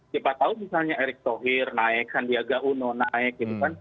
siapa tahu misalnya erick thohir naik sandiaga uno naik gitu kan